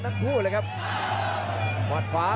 ต้องบอกว่า